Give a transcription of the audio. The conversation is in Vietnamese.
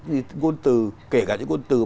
ngôn từ kể cả những ngôn từ